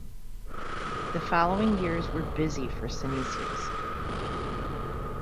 The following years were busy for Synesius.